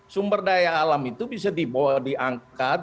sumber daya alam itu bisa diangkat